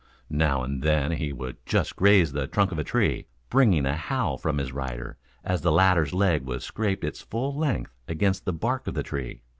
Now and then he would just graze the trunk of a tree, bringing a howl from his rider as the latter's leg was scraped its full length against the bark of the tree.